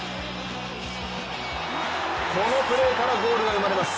このプレーからゴールが生まれます。